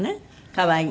可愛い。